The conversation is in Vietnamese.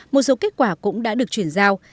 một số kết quả cũng đã được chuyển giao